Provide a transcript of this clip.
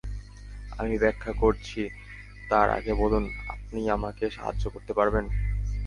আমি ব্যাখ্যা করছি, তার আগে বলুন, আপনি আমাকে সাহায্য করতে পারবেন?